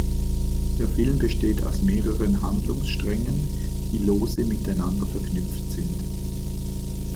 Der Film besteht aus mehreren Handlungssträngen, die lose miteinander verknüpft sind.